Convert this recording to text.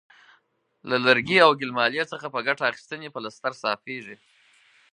له لرګي او ګل مالې څخه په ګټه اخیستنې پلستر صافیږي.